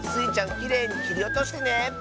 きれいにきりおとしてね！